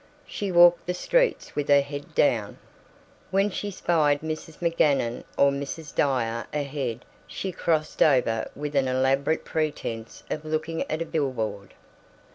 She walked the streets with her head down. When she spied Mrs. McGanum or Mrs. Dyer ahead she crossed over with an elaborate pretense of looking at a billboard.